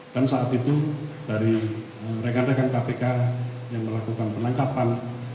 dan saat itu dari rekan rekan kpk yang melakukan penangkapan